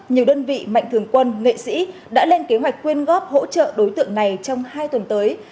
nhiều đơn vị mạnh thường quân nghệ sĩ đã lên kế hoạch quyên góp hỗ trợ đối tượng này trong hai tuần tới